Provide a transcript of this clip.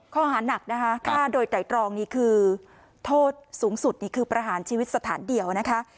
ข้อหานักนะคะฆ่าโดยไตรตรองนี่คือโทษสูงสุดนี่คือประหารชีวิตสถานเดียวนะคะ